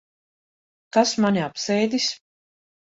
Kas mani apsēdis?